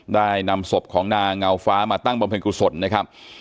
ได้นำศพของงักเยียวมาตั้งบำเภณกุศนนะครับ